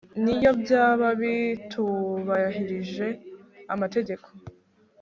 niyo byaba bitubahirije amategeko